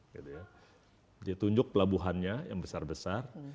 jadi tunjuk pelabuhannya yang besar besar